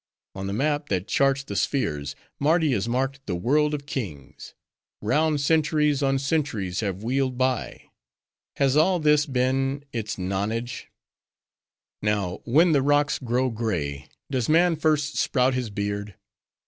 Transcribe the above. On the map that charts the spheres, Mardi is marked 'the world of kings.' Round centuries on centuries have wheeled by:—has all this been its nonage? Now, when the rocks grow gray, does man first sprout his beard?